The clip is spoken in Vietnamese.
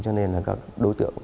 nên các đối tượng